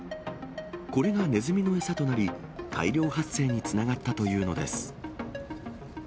これがネズミの餌となり、大量発生につながったというのです。